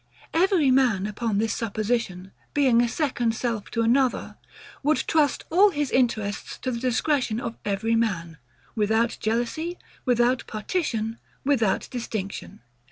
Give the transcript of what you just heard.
Every man, upon this supposition, being a second self to another, would trust all his interests to the discretion of every man; without jealousy, without partition, without distinction.